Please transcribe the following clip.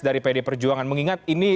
dari pd perjuangan mengingat ini